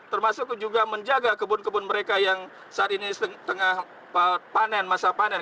termasuk juga menjaga kebun kebun mereka yang saat ini tengah panen masa panen